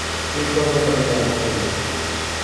قیمتوں میں کمی لانے کیلئے